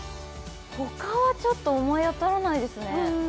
他はちょっと思い当たらないですね。